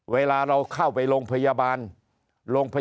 เวลาเราเข้าไปโรงพยาบาล